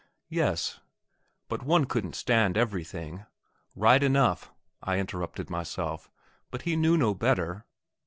Yes; but one couldn't stand everything. Right enough, I interrupted myself; but he knew no better.